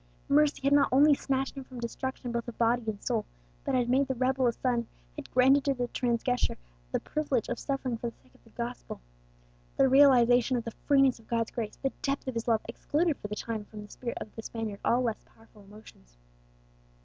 Mercy had not only snatched him from destruction both of body and soul, but had made the rebel a son, had granted to the transgressor the privilege of suffering for the sake of the gospel. The realization of the freeness of God's grace, the depth of His love, excluded for the time from the spirit of the Spaniard all less powerful emotions.